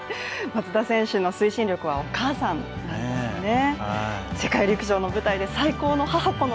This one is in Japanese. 松田選手の推進力はお母さんなんですね。